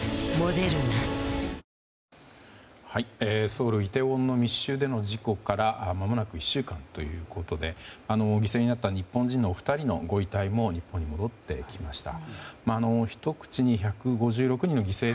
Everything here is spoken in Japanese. ソウル・イテウォンの密集での事故からまもなく１週間ということで犠牲になった日本人のお二人のご遺体も日本に戻ってきました。